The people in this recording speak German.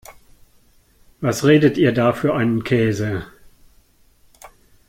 Was redet ihr da für einen Käse?